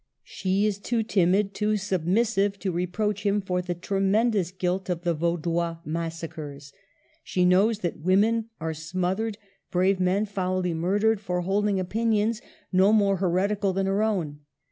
She is too timid, too submissive to reproach him for the tremendous guilt of the Vaudois massacres. She knows that women are smothered, brave men foully mur dered, for holding opinions no more heretical than her own.